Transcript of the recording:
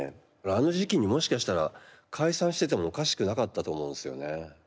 あの時期にもしかしたら解散しててもおかしくなかったと思うんすよね。